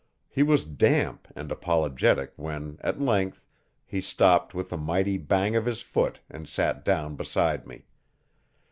He was damp and apologetic when, at length, he stopped with a mighty bang of his foot and sat down beside me.